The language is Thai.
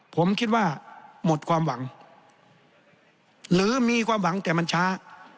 ผมคิดว่าหมดความหวังหรือมีความหวังแต่มันช้า